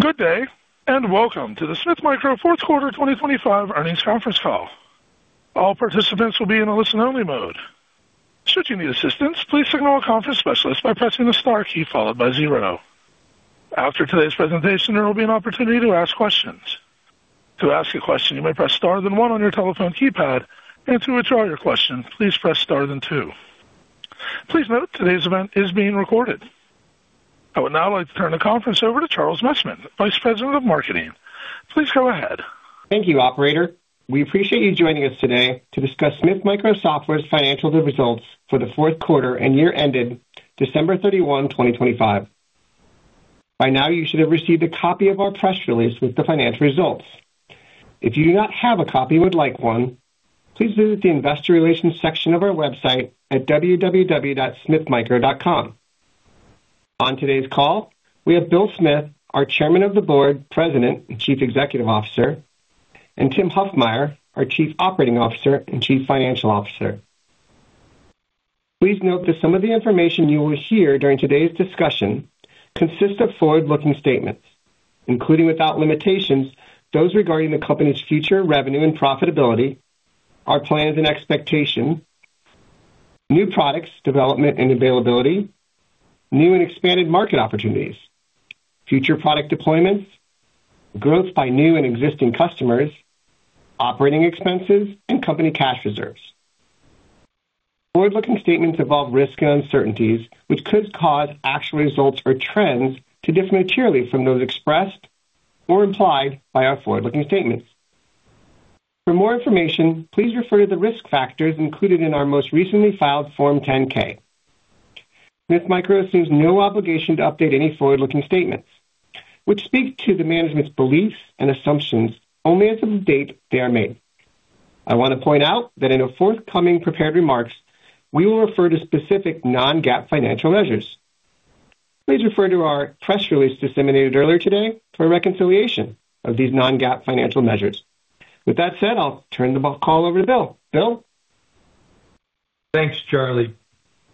Good day, and welcome to the Smith Micro fourth quarter 2025 earnings conference call. All participants will be in a listen-only mode. Should you need assistance, please signal a conference specialist by pressing the star key followed by 0. After today's presentation, there will be an opportunity to ask questions. To ask a question, you may press star then 1 on your telephone keypad, and to withdraw your question, please press star then 2. Please note today's event is being recorded. I would now like to turn the conference over to Charles Messman, Vice President of Marketing. Please go ahead. Thank you, operator. We appreciate you joining us today to discuss Smith Micro Software's financial results for the fourth quarter and year-ended December 31, 2025. By now, you should have received a copy of our press release with the financial results. If you do not have a copy and would like one, please visit the investor relations section of our website at www.smithmicro.com. On today's call, we have Bill Smith, our Chairman of the Board, President, and Chief Executive Officer, and Tim Hofmeyer, our Chief Operating Officer and Chief Financial Officer. Please note that some of the information you will hear during today's discussion consists of forward-looking statements, including without limitations, those regarding the company's future revenue and profitability, our plans and expectation, new products development and availability, new and expanded market opportunities, future product deployments, growth by new and existing customers, operating expenses, and company cash reserves. Forward-looking statements involve risks and uncertainties, which could cause actual results or trends to differ materially from those expressed or implied by our forward-looking statements. For more information, please refer to the risk factors included in our most recently filed Form 10-K. Smith Micro assumes no obligation to update any forward-looking statements, which speak to the management's beliefs and assumptions only as of the date they are made. I want to point out that in our forthcoming prepared remarks, we will refer to specific Non-GAAP financial measures. Please refer to our press release disseminated earlier today for a reconciliation of these Non-GAAP financial measures. With that said, I'll turn the call over to Bill. Bill? Thanks, Charlie.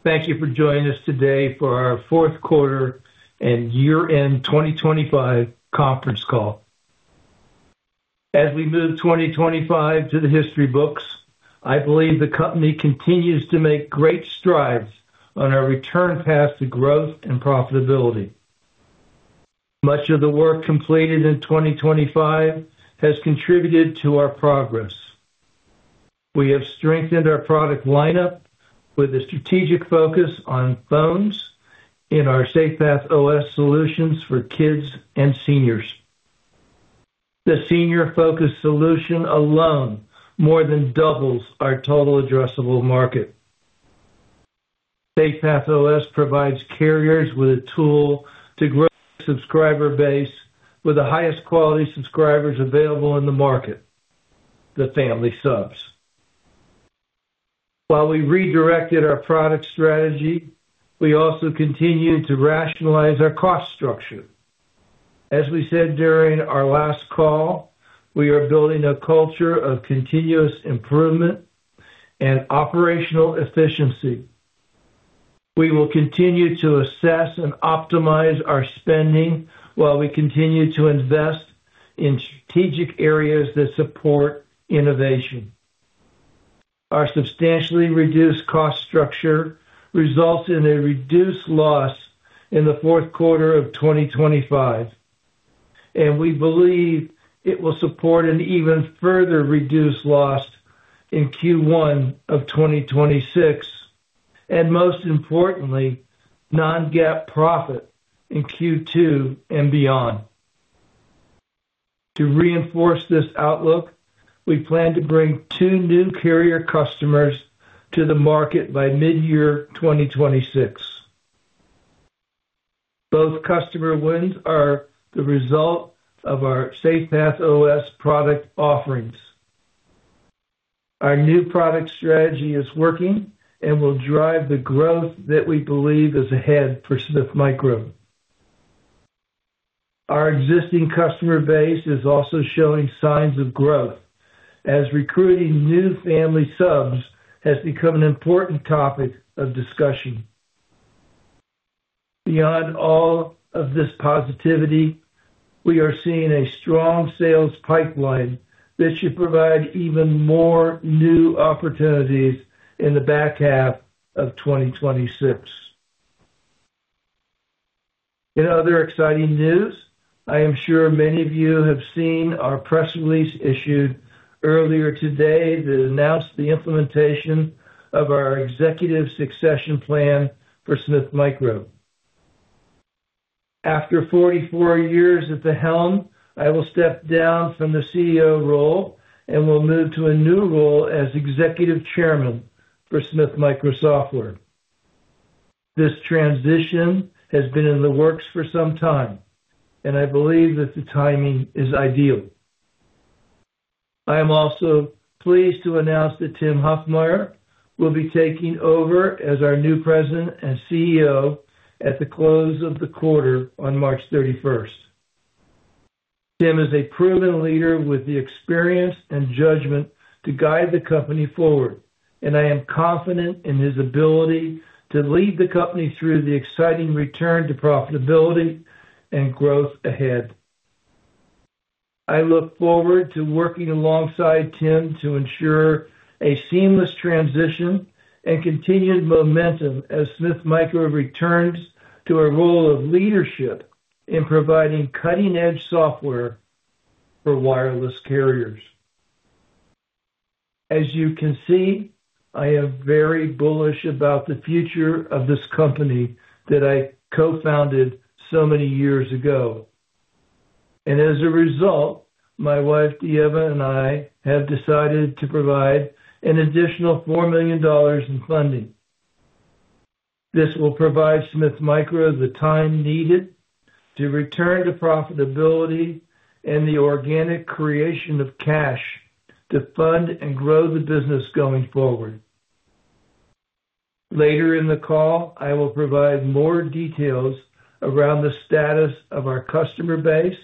Thank you for joining us today for our fourth quarter and year-end 2025 conference call. We move 2025 to the history books, I believe the company continues to make great strides on our return path to growth and profitability. Much of the work completed in 2025 has contributed to our progress. We have strengthened our product lineup with a strategic focus on phones in our SafePath OS solutions for kids and seniors. The senior-focused solution alone more than doubles our total addressable market. SafePath OS provides carriers with a tool to grow subscriber base with the highest quality subscribers available in the market, the family subs. We redirected our product strategy, we also continued to rationalize our cost structure. We said during our last call, we are building a culture of continuous improvement and operational efficiency. We will continue to assess and optimize our spending while we continue to invest in strategic areas that support innovation. Our substantially reduced cost structure results in a reduced loss in the fourth quarter of 2025, and we believe it will support an even further reduced loss in Q1 of 2026, and most importantly, Non-GAAP profit in Q2 and beyond. To reinforce this outlook, we plan to bring two new carrier customers to the market by mid-year 2026. Both customer wins are the result of our SafePath OS product offerings. Our new product strategy is working and will drive the growth that we believe is ahead for Smith Micro. Our existing customer base is also showing signs of growth as recruiting new family subs has become an important topic of discussion. Beyond all of this positivity, we are seeing a strong sales pipeline that should provide even more new opportunities in the back half of 2026. In other exciting news, I am sure many of you have seen our press release issued earlier today that announced the implementation of our executive succession plan for Smith Micro. After 44 years at the helm, I will step down from the CEO role and will move to a new role as Executive Chairman for Smith Micro Software. This transition has been in the works for some time, and I believe that the timing is ideal. I am also pleased to announce that Tim Hofmeyer will be taking over as our new President and CEO at the close of the quarter on March 31st. I am confident in his ability to lead the company through the exciting return to profitability and growth ahead. I look forward to working alongside Tim to ensure a seamless transition and continued momentum as Smith Micro returns to a role of leadership in providing cutting-edge software for wireless carriers. As you can see, I am very bullish about the future of this company that I co-founded so many years ago. As a result, my wife, Diva, and I have decided to provide an additional $4 million in funding. This will provide Smith Micro the time needed to return to profitability and the organic creation of cash to fund and grow the business going forward. Later in the call, I will provide more details around the status of our customer base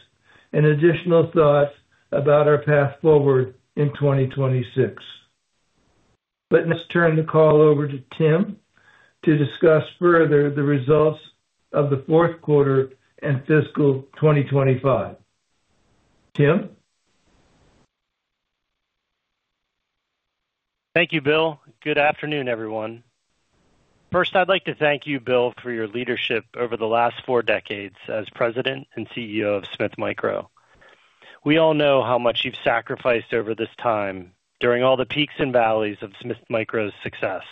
and additional thoughts about our path forward in 2026. Let's turn the call over to Tim to discuss further the results of the fourth quarter and fiscal 2025. Tim? Thank you, Bill. Good afternoon, everyone. First, I'd like to thank you, Bill, for your leadership over the last four decades as President and CEO of Smith Micro. We all know how much you've sacrificed over this time during all the peaks and valleys of Smith Micro's success.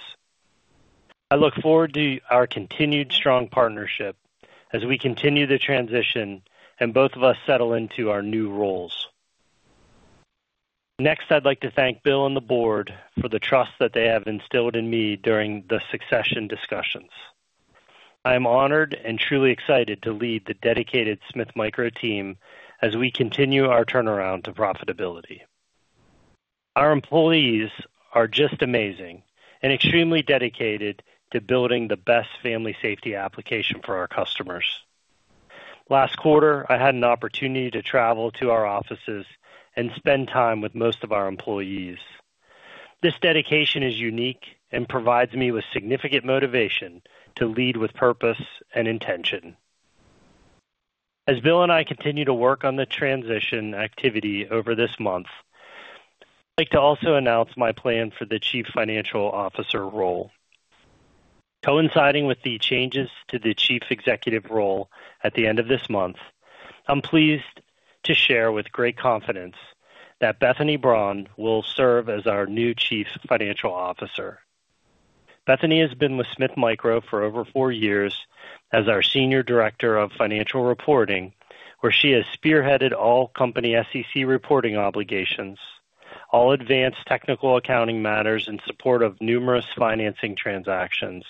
I look forward to our continued strong partnership as we continue the transition and both of us settle into our new roles. Next, I'd like to thank Bill and the board for the trust that they have instilled in me during the succession discussions. I am honored and truly excited to lead the dedicated Smith Micro team as we continue our turnaround to profitability. Our employees are just amazing and extremely dedicated to building the best family safety application for our customers. Last quarter, I had an opportunity to travel to our offices and spend time with most of our employees. This dedication is unique and provides me with significant motivation to lead with purpose and intention. As Bill and I continue to work on the transition activity over this month, I'd like to also announce my plan for the chief financial officer role. Coinciding with the changes to the chief executive role at the end of this month, I'm pleased to share with great confidence that Bethany Braun will serve as our new Chief Financial Officer. Bethany has been with Smith Micro for over four years as our Senior Director of Financial Reporting, where she has spearheaded all company SEC reporting obligations, all advanced technical accounting matters in support of numerous financing transactions,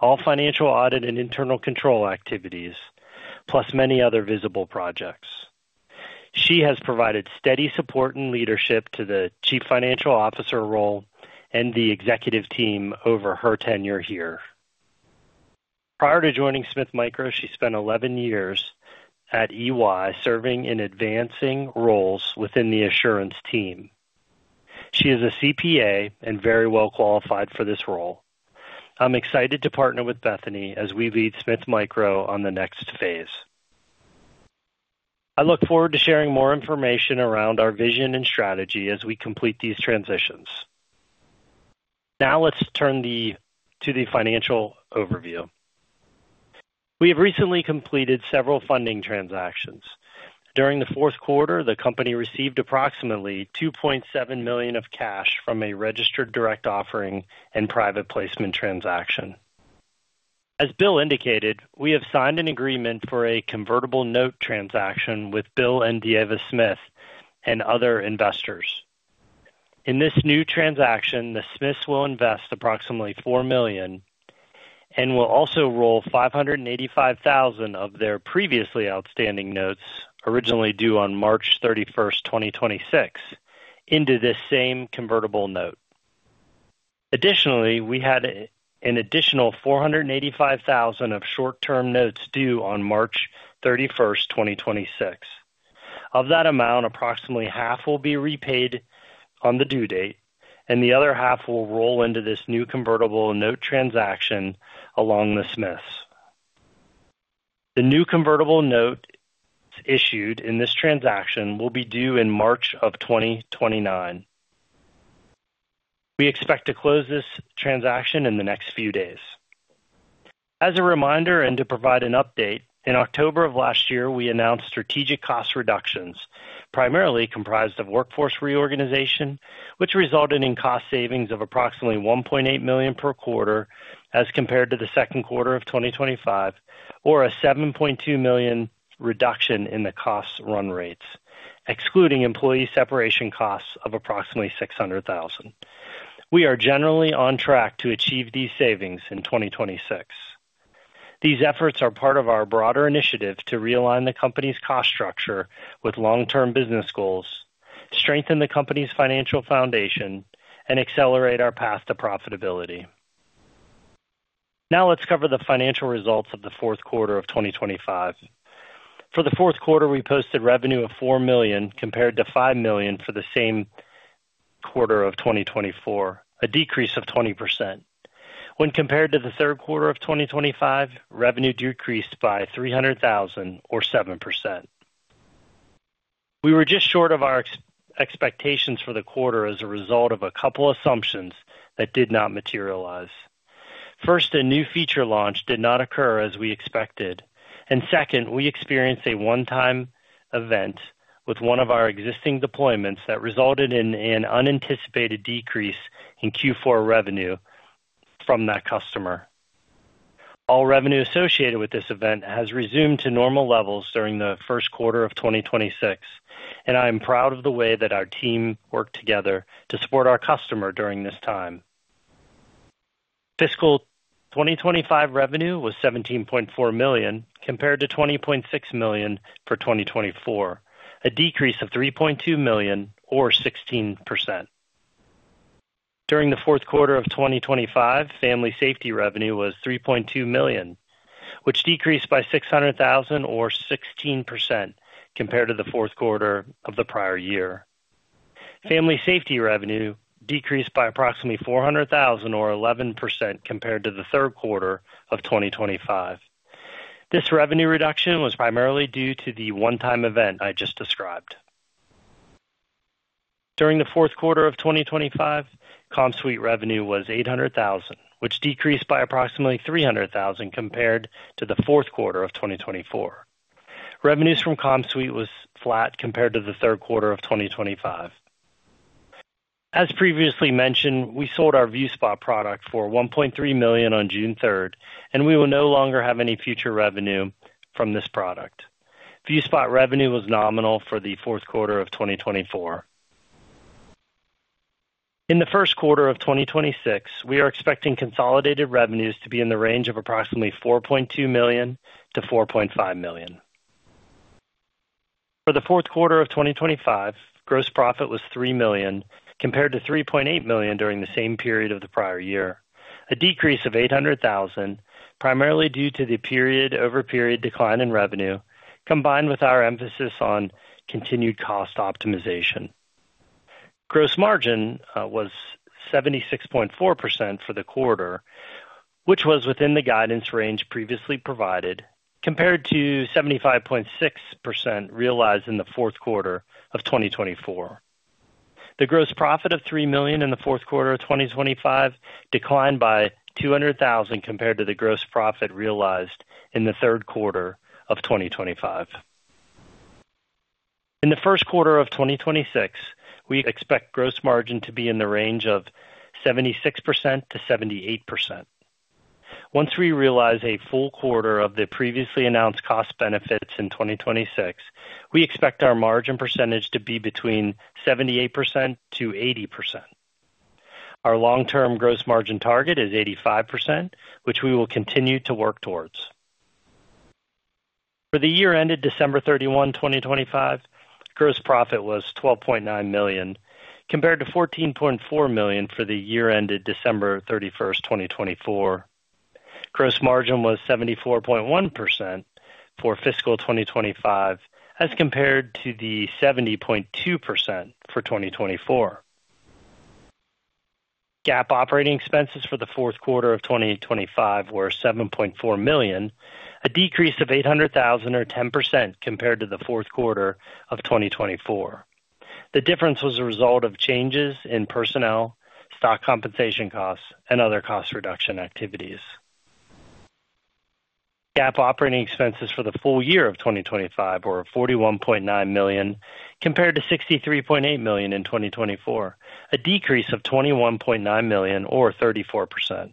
all financial audit and internal control activities, + many other visible projects. She has provided steady support and leadership to the chief financial officer role and the executive team over her tenure here. Prior to joining Smith Micro, she spent 11 years at EY, serving in advancing roles within the assurance team. She is a CPA and very well qualified for this role. I'm excited to partner with Bethany as we lead Smith Micro on the next phase. I look forward to sharing more information around our vision and strategy as we complete these transitions. Let's turn to the financial overview. We have recently completed several funding transactions. During the fourth quarter, the company received approximately $2.7 million of cash from a registered direct offering and private placement transaction. As Bill indicated, we have signed an agreement for a convertible note transaction with Bill and Diva Smith and other investors. In this new transaction, the Smiths will invest approximately $4 million and will also roll $585,000 of their previously outstanding notes, originally due on March 31, 2026, into this same convertible note. We had an additional $485,000 of short-term notes due on March 31, 2026. Of that amount, approximately half will be repaid on the due date, and the other half will roll into this new convertible note transaction along the Smiths. The new convertible note issued in this transaction will be due in March 2029. We expect to close this transaction in the next few days. As a reminder, to provide an update, in October of last year, we announced strategic cost reductions, primarily comprised of workforce reorganization, which resulted in cost savings of approximately $1.8 million per quarter as compared to the second quarter of 2025, or a $7.2 million reduction in the cost run rates, excluding employee separation costs of approximately $600,000. We are generally on track to achieve these savings in 2026. These efforts are part of our broader initiative to realign the company's cost structure with long-term business goals, strengthen the company's financial foundation, and accelerate our path to profitability. Let's cover the financial results of the fourth quarter of 2025. For the fourth quarter, we posted revenue of $4 million compared to $5 million for the same quarter of 2024, a decrease of 20%. When compared to the third quarter of 2025, revenue decreased by $300,000 or 7%. We were just short of our expectations for the quarter as a result of a couple assumptions that did not materialize. First, a new feature launch did not occur as we expected. Second, we experienced a one-time event with one of our existing deployments that resulted in an unanticipated decrease in Q4 revenue from that customer. All revenue associated with this event has resumed to normal levels during the first quarter of 2026. I am proud of the way that our team worked together to support our customer during this time. Fiscal 2025 revenue was $17.4 million compared to $20.6 million for 2024, a decrease of $3.2 million or 16%. During the fourth quarter of 2025, family safety revenue was $3.2 million, which decreased by $600,000 or 16% compared to the fourth quarter of the prior year. Family safety revenue decreased by approximately $400,000 or 11% compared to the third quarter of 2025. This revenue reduction was primarily due to the one-time event I just described. During the fourth quarter of 2025, CommSuite revenue was $800,000, which decreased by approximately $300,000 compared to the fourth quarter of 2024. Revenues from CommSuite was flat compared to the third quarter of 2025. As previously mentioned, we sold our ViewSpot product for $1.3 million on June third, we will no longer have any future revenue from this product. ViewSpot revenue was nominal for the fourth quarter of 2024. In the first quarter of 2026, we are expecting consolidated revenues to be in the range of approximately $4.2 million-$4.5 million. For the fourth quarter of 2025, gross profit was $3 million compared to $3.8 million during the same period of the prior year, a decrease of $800,000, primarily due to the period-over-period decline in revenue, combined with our emphasis on continued cost optimization. Gross margin was 76.4% for the quarter, which was within the guidance range previously provided, compared to 75.6% realized in the fourth quarter of 2024. The gross profit of $3 million in the fourth quarter of 2025 declined by $200,000 compared to the gross profit realized in the third quarter of 2025. In the first quarter of 2026, we expect gross margin to be in the range of 76%-78%. Once we realize a full quarter of the previously announced cost benefits in 2026, we expect our margin percentage to be between 78%-80%. Our long-term gross margin target is 85%, which we will continue to work towards. For the year ended December 31, 2025, gross profit was $12.9 million compared to $14.4 million for the year ended December 31, 2024. Gross margin was 74.1% for fiscal 2025 as compared to the 70.2% for 2024. GAAP operating expenses for the fourth quarter of 2025 were $7.4 million, a decrease of $800,000 or 10% compared to the fourth quarter of 2024. The difference was a result of changes in personnel, stock compensation costs, and other cost reduction activities. GAAP operating expenses for the full year of 2025 were $41.9 million compared to $63.8 million in 2024, a decrease of $21.9 million or 34%.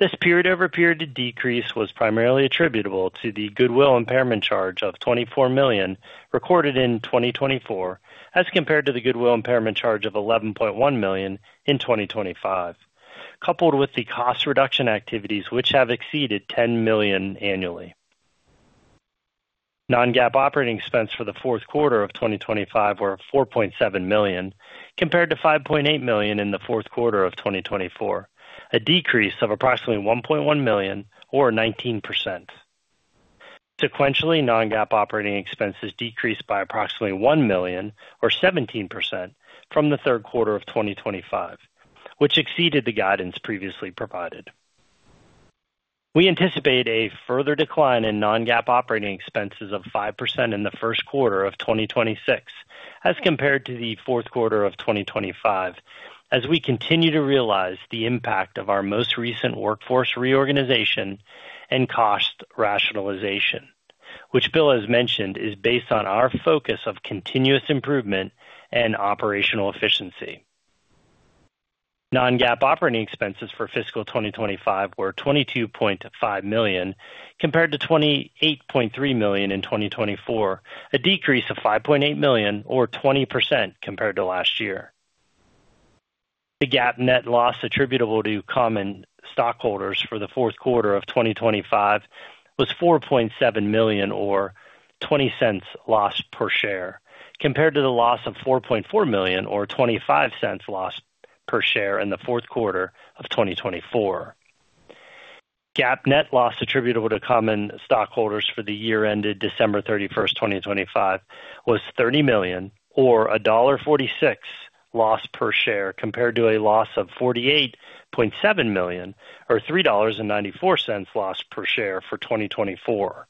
This period-over-period decrease was primarily attributable to the goodwill impairment charge of $24 million recorded in 2024 as compared to the goodwill impairment charge of $11.1 million in 2025, coupled with the cost reduction activities which have exceeded $10 million annually. Non-GAAP operating expense for the fourth quarter of 2025 were $4.7 million compared to $5.8 million in the fourth quarter of 2024, a decrease of approximately $1.1 million or 19%. Sequentially, Non-GAAP operating expenses decreased by approximately $1 million or 17% from the third quarter of 2025, which exceeded the guidance previously provided. We anticipate a further decline in Non-GAAP operating expenses of 5% in the first quarter of 2026 as compared to the fourth quarter of 2025, as we continue to realize the impact of our most recent workforce reorganization and cost rationalization, which Bill has mentioned is based on our focus of continuous improvement and operational efficiency. Non-GAAP operating expenses for fiscal 2025 were $22.5 million compared to $28.3 million in 2024, a decrease of $5.8 million or 20% compared to last year. The GAAP net loss attributable to common stockholders for the fourth quarter of 2025 was $4.7 million or $0.20 loss per share, compared to the loss of $4.4 million or $0.25 loss per share in the fourth quarter of 2024. GAAP net loss attributable to common stockholders for the year ended December 31st, 2025 was $30 million, or a $1.46 loss per share, compared to a loss of $48.7 million, or $3.94 loss per share for 2024.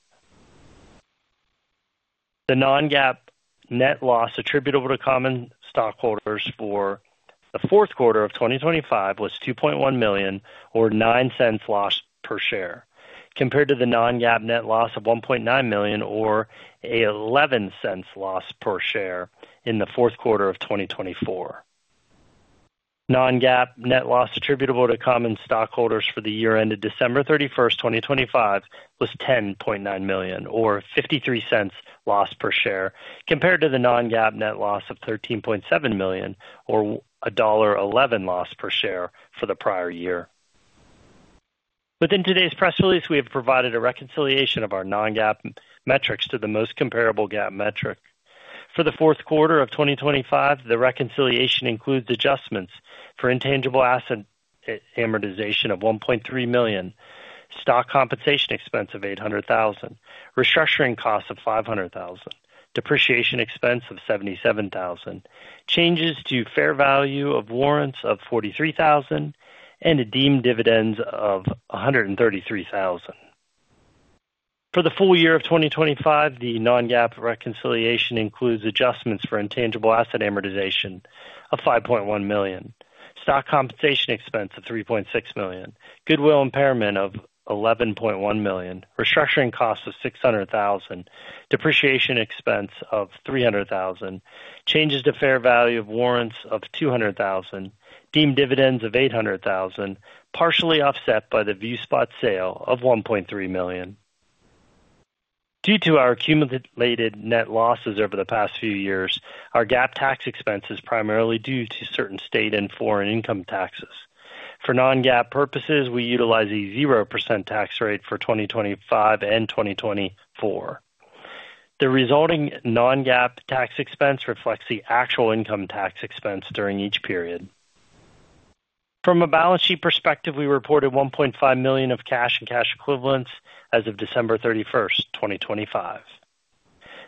The Non-GAAP net loss attributable to common stockholders for the fourth quarter of 2025 was $2.1 million, or $0.09 loss per share, compared to the Non-GAAP net loss of $1.9 million, or an $0.11 loss per share in the fourth quarter of 2024. Non-GAAP net loss attributable to common stockholders for the year ended December 31, 2025 was $10.9 million, or $0.53 loss per share, compared to the Non-GAAP net loss of $13.7 million, or $1.11 loss per share for the prior year. Within today's press release, we have provided a reconciliation of our Non-GAAP metrics to the most comparable GAAP metric. For the fourth quarter of 2025, the reconciliation includes adjustments for intangible asset amortization of $1.3 million, stock compensation expense of $800,000, restructuring costs of $500,000, depreciation expense of $77,000, changes to fair value of warrants of $43,000, and deemed dividends of $133,000. For the full year of 2025, the Non-GAAP reconciliation includes adjustments for intangible asset amortization of $5.1 million, stock compensation expense of $3.6 million, goodwill impairment of $11.1 million, restructuring costs of $600,000, depreciation expense of $300,000, changes to fair value of warrants of $200,000, deemed dividends of $800,000, partially offset by the ViewSpot sale of $1.3 million. Due to our accumulated net losses over the past few years, our GAAP tax expense is primarily due to certain state and foreign income taxes. For Non-GAAP purposes, we utilize a 0% tax rate for 2025 and 2024. The resulting Non-GAAP tax expense reflects the actual income tax expense during each period. From a balance sheet perspective, we reported $1.5 million of cash and cash equivalents as of December 31st, 2025.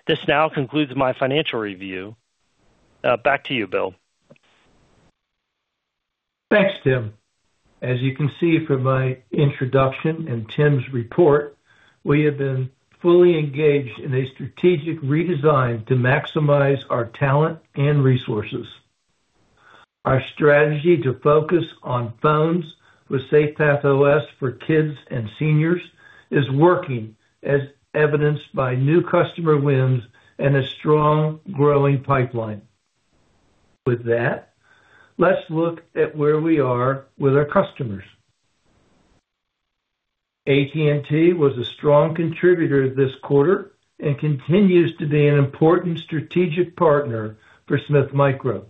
This now concludes my financial review. Back to you, Bill. Thanks, Tim. As you can see from my introduction and Tim's report, we have been fully engaged in a strategic redesign to maximize our talent and resources. Our strategy to focus on phones with SafePath OS for kids and seniors is working, as evidenced by new customer wins and a strong growing pipeline. Let's look at where we are with our customers. AT&T was a strong contributor this quarter and continues to be an important strategic partner for Smith Micro.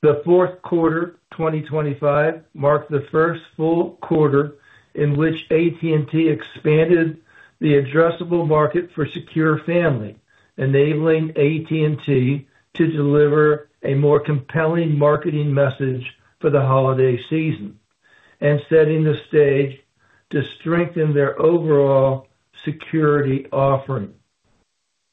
The fourth quarter 2025 marked the first full quarter in which AT&T expanded the addressable market for Secure Family, enabling AT&T to deliver a more compelling marketing message for the holiday season and setting the stage to strengthen their overall security offering.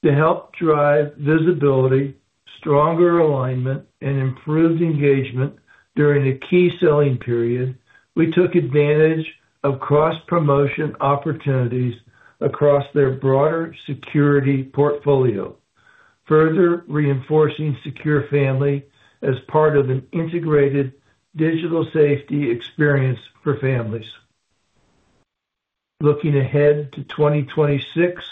To help drive visibility, stronger alignment, and improved engagement during a key selling period, we took advantage of cross-promotion opportunities across their broader security portfolio, further reinforcing Secure Family as part of an integrated digital safety experience for families. Looking ahead to 2026,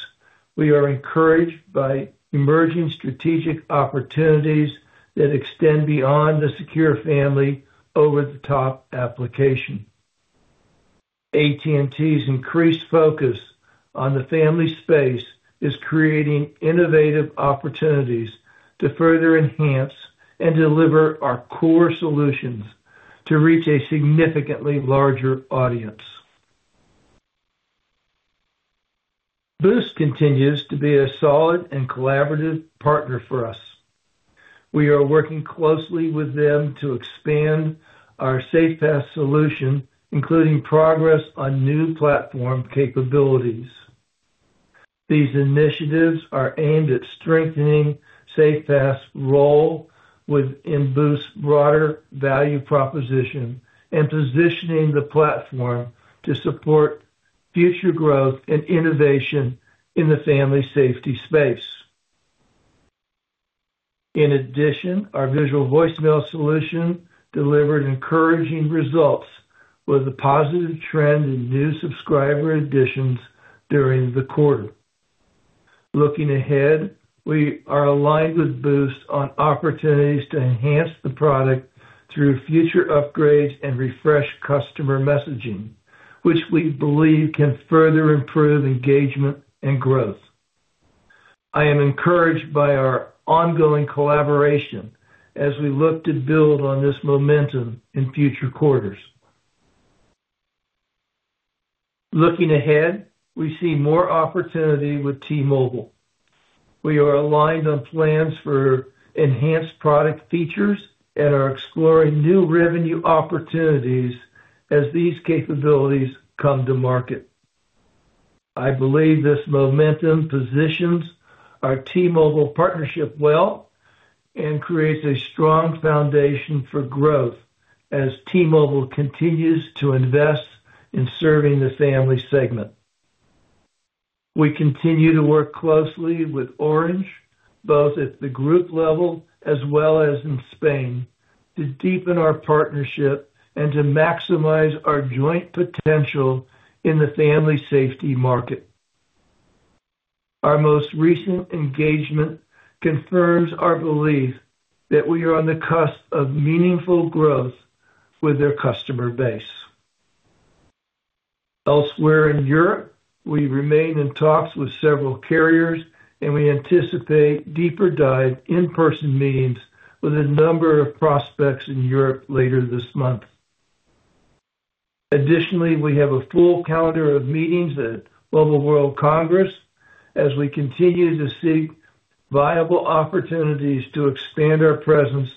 we are encouraged by emerging strategic opportunities that extend beyond the Secure Family over-the-top application. AT&T's increased focus on the family space is creating innovative opportunities to further enhance and deliver our core solutions to reach a significantly larger audience. Boost continues to be a solid and collaborative partner for us. We are working closely with them to expand our SafePath solution, including progress on new platform capabilities. These initiatives are aimed at strengthening SafePath's role within Boost's broader value proposition and positioning the platform to support future growth and innovation in the family safety space. In addition, our visual voicemail solution delivered encouraging results with a positive trend in new subscriber additions during the quarter. Looking ahead, we are aligned with Boost on opportunities to enhance the product through future upgrades and refresh customer messaging, which we believe can further improve engagement and growth. I am encouraged by our ongoing collaboration as we look to build on this momentum in future quarters. Looking ahead, we see more opportunity with T-Mobile. We are aligned on plans for enhanced product features and are exploring new revenue opportunities as these capabilities come to market. I believe this momentum positions our T-Mobile partnership well and creates a strong foundation for growth as T-Mobile continues to invest in serving the family segment. We continue to work closely with Orange, both at the group level as well as in Spain, to deepen our partnership and to maximize our joint potential in the family safety market. Our most recent engagement confirms our belief that we are on the cusp of meaningful growth with their customer base. Elsewhere in Europe, we remain in talks with several carriers, and we anticipate deeper dive in-person meetings with a number of prospects in Europe later this month. Additionally, we have a full calendar of meetings at Mobile World Congress as we continue to seek viable opportunities to expand our presence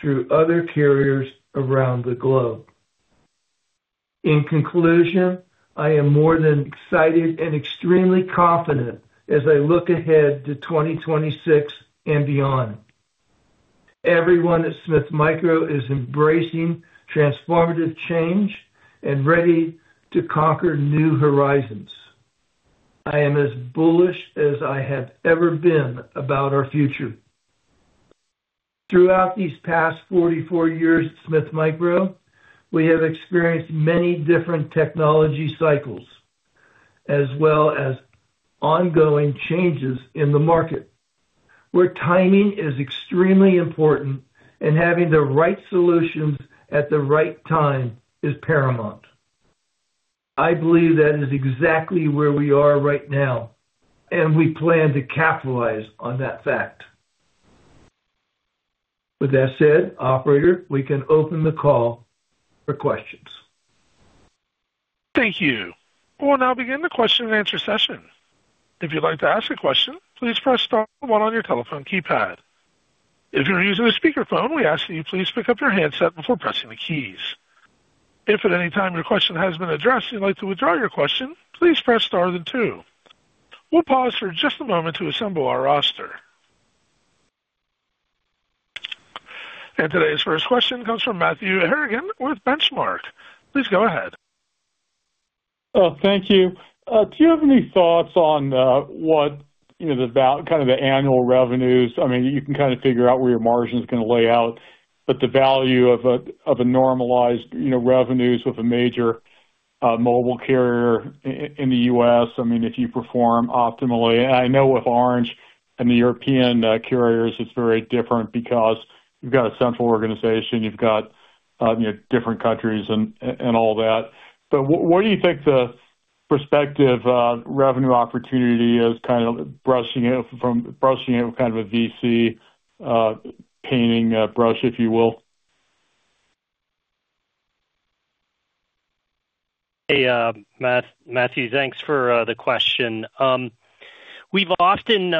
through other carriers around the globe. In conclusion, I am more than excited and extremely confident as I look ahead to 2026 and beyond. Everyone at Smith Micro is embracing transformative change and ready to conquer new horizons. I am as bullish as I have ever been about our future. Throughout these past 44 years at Smith Micro, we have experienced many different technology cycles as well as ongoing changes in the market, where timing is extremely important and having the right solutions at the right time is paramount. I believe that is exactly where we are right now, and we plan to capitalize on that fact. With that said, operator, we can open the call for questions. Thank you. We'll now begin the question-and-answer session. If you'd like to ask a question, please press star one on your telephone keypad. If you're using a speakerphone, we ask that you please pick up your handset before pressing the keys. If at any time your question has been addressed, you'd like to withdraw your question, please press star then two. We'll pause for just a moment to assemble our roster. Today's first question comes from Matthew Harrigan with Benchmark. Please go ahead. Thank you. Do you have any thoughts on what, you know, kind of the annual revenues? I mean, you can kind of figure out where your margin is gonna lay out, but the value of a normalized, you know, revenues with a major mobile carrier in the U.S., I mean, if you perform optimally. I know with Orange and the European carriers, it's very different because you've got a central organization, you've got, you know, different countries and all that. What do you think the prospective revenue opportunity is kind of brushing it with kind of a VC painting brush, if you will? Hey, Matthew, thanks for the question. We've often,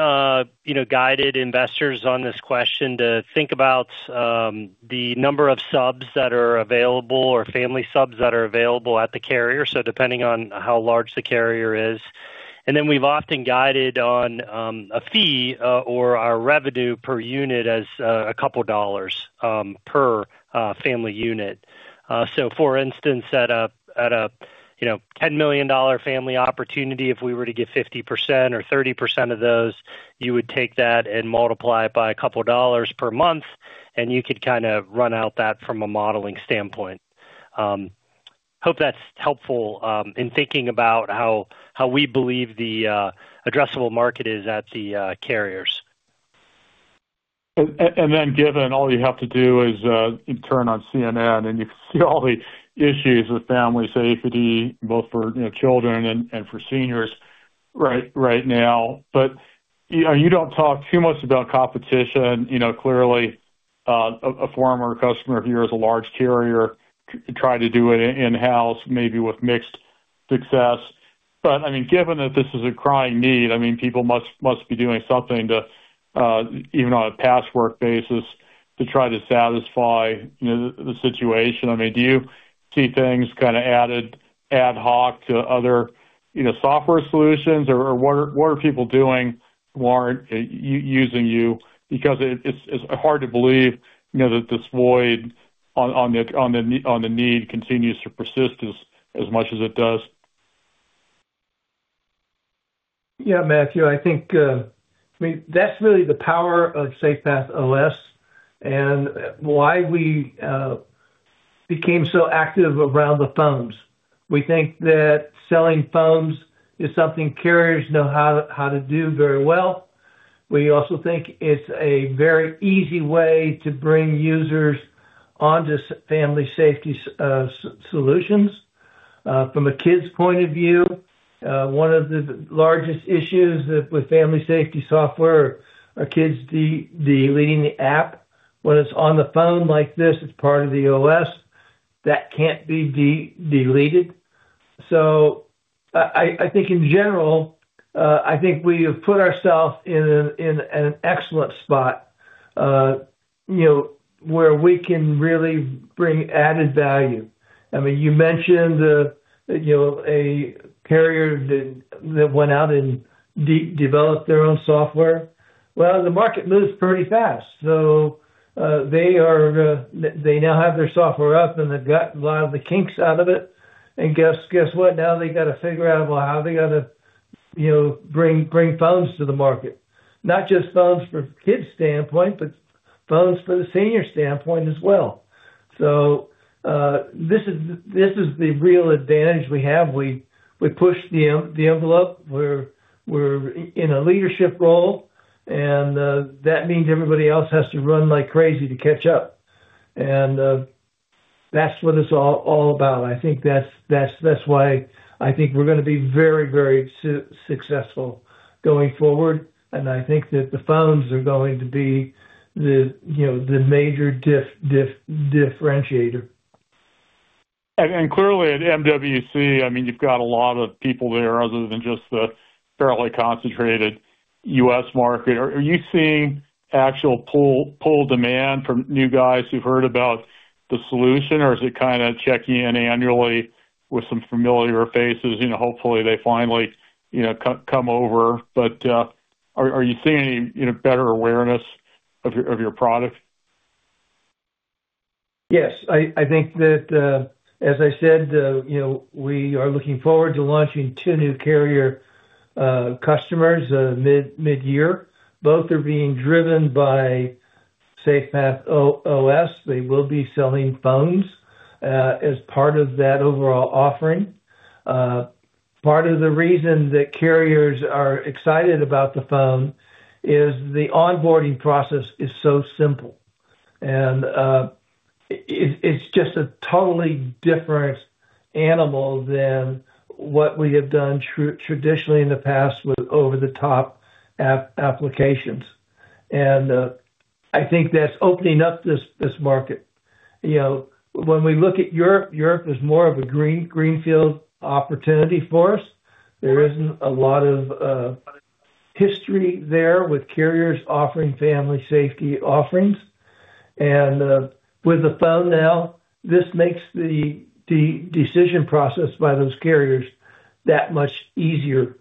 you know, guided investors on this question to think about the number of subs that are available or family subs that are available at the carrier, so depending on how large the carrier is. We've often guided on a fee or our revenue per unit as a couple of dollars per family unit. For instance, at a, you know, $10 million family opportunity, if we were to get 50% or 30% of those, you would take that and multiply it by a couple of dollars per month, and you could kind of run out that from a modeling standpoint. Hope that's helpful in thinking about how we believe the addressable market is at the carriers. given all you have to do is, you turn on CNN and you can see all the issues with family safety, both for, you know, children and for seniors right now. You know, you don't talk too much about competition. You know, clearly, a former customer of yours, a large carrier, tried to do it in-house, maybe with mixed success. I mean, given that this is a crying need, I mean, people must be doing something to even on a patchwork basis, to try to satisfy, you know, the situation. I mean, do you see things kinda added ad hoc to other, you know, software solutions, or what are, what are people doing who aren't using you? It, it's hard to believe, you know, that this void on the need continues to persist as much as it does. Yeah, Matthew, I think, I mean, that's really the power of SafePath OS and why we became so active around the phones. We think that selling phones is something carriers know how to do very well. We also think it's a very easy way to bring users onto family safety solutions. From a kids point of view, one of the largest issues with family safety software are kids deleting the app. When it's on the phone like this, it's part of the OS, that can't be deleted. I think in general, I think we have put ourselves in an excellent spot, you know, where we can really bring added value. I mean, you mentioned, you know, a carrier that went out and developed their own software. The market moves pretty fast. They now have their software up, and they've got a lot of the kinks out of it. Guess what? Now they gotta figure out, well, how they gotta, you know, bring phones to the market. Not just phones from kids' standpoint, but phones from the senior standpoint as well. This is the real advantage we have. We push the envelope. We're in a leadership role. That means everybody else has to run like crazy to catch up. That's what it's all about. I think that's why I think we're gonna be very successful going forward. I think that the phones are going to be the, you know, the major differentiator. Clearly at MWC, I mean, you've got a lot of people there other than just the fairly concentrated U.S. market. Are you seeing actual pull demand from new guys who've heard about the solution? Or is it kind of checking in annually with some familiar faces, you know, hopefully they finally, you know, come over. Are you seeing any, you know, better awareness of your product? Yes. I think that, as I said, you know, we are looking forward to launching two new carrier customers midyear. Both are being driven by SafePath OS. They will be selling phones as part of that overall offering. Part of the reason that carriers are excited about the phone is the onboarding process is so simple. It's just a totally different animal than what we have done traditionally in the past with over-the-top applications. I think that's opening up this market. You know, when we look at Europe is more of a greenfield opportunity for us. There isn't a lot of history there with carriers offering family safety offerings. With the phone now, this makes the decision process by those carriers that much easier.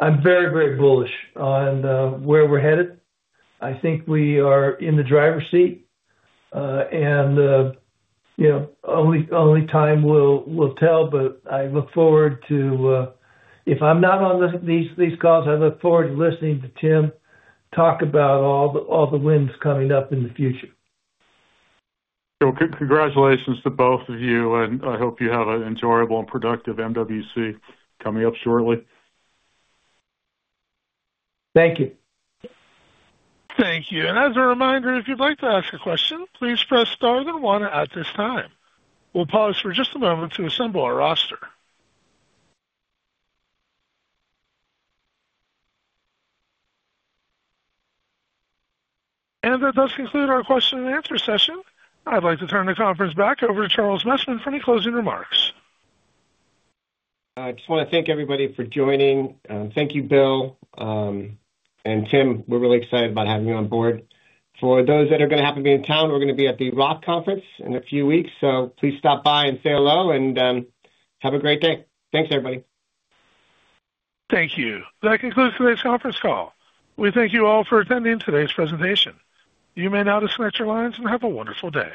I'm very, very bullish on where we're headed. I think we are in the driver's seat. You know, only time will tell, but I look forward to... If I'm not on these calls, I look forward to listening to Tim talk about all the, all the wins coming up in the future. Congratulations to both of you, and I hope you have an enjoyable and productive MWC coming up shortly. Thank you. Thank you. As a reminder, if you'd like to ask a question, please press star then one at this time. We'll pause for just a moment to assemble our roster. That does conclude our question and answer session. I'd like to turn the conference back over to Charles Messman for any closing remarks. I just wanna thank everybody for joining. Thank you, Bill. Tim, we're really excited about having you on board. For those that are gonna happen to be in town, we're gonna be at the ROTH Conference in a few weeks. Please stop by and say hello. Have a great day. Thanks, everybody. Thank you. That concludes today's conference call. We thank you all for attending today's presentation. You may now disconnect your lines and have a wonderful day.